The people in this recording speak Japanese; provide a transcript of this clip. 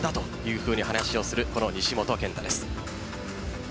ふうに話をする西本拳太です。